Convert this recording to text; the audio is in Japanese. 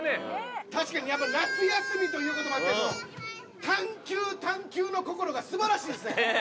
確かに夏休みということもあって探究探究の心が素晴らしいですね！